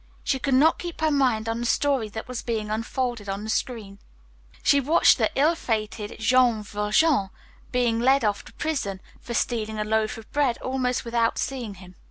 She could not keep her mind on the story that was being unfolded on the screen. She watched the ill fated Jean Valjean being led off to prison for stealing a loaf of bread almost without seeing him.